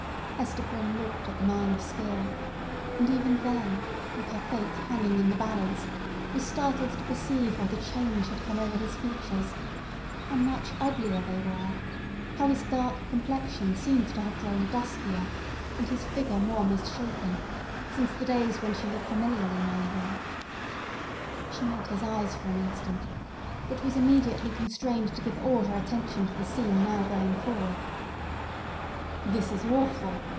Hester Prynne looked at the man of skill, and even then, with her fate hanging in the balance, was startled to perceive what a change had come over his features—how much uglier they were, how his dark complexion seemed to have grown duskier, and his figure more misshapen—since the days when she had familiarly known him. She met his eyes for an instant, but was immediately constrained to give all her attention to the scene now going forward. "This is awful!"